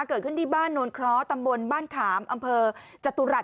เกิดขึ้นที่บ้านโนนเคราะหตำบลบ้านขามอำเภอจตุรัส